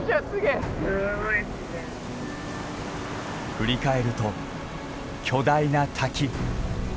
振り返ると巨大な滝。